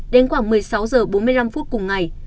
đến khoảng một mươi sáu h bốn mươi năm phút cùng ngày